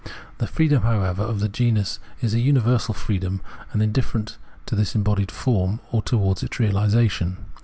The freedom, however, of the genus is a universal freedom, and indifferent to this embodied form, or towards its reahsation.